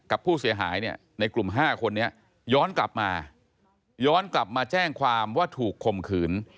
กับผู้เสียหายเนี่ยในกลุ่ม๕คนนี้ย้อนกลับมาย้อนกลับมาแจ้งความว่าถูกคมขืน